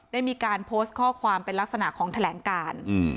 ได้มีการโพสต์ข้อความเป็นลักษณะของแถลงการ